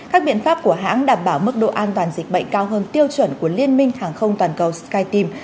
các biện pháp của hãng đảm bảo mức độ an toàn dịch bệnh cao hơn tiêu chuẩn của liên minh hàng không toàn cầu skytim